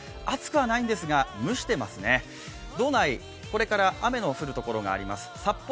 暑くはないんですが、蒸してますね道内、これから雨の降るところがあります。